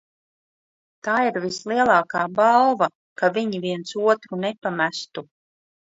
Tā ir vislielākā balva, ka viņi viens otru nepamestu.